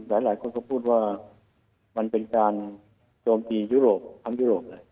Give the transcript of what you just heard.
หลายคนก็พูดว่ามันเป็นการโจมตียุโรปทั้งยุโรปเลย